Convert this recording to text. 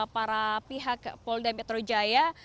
para pihak polda metro jaya